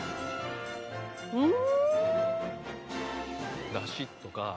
うん！